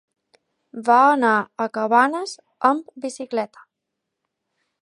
Va anar a Cabanes amb bicicleta.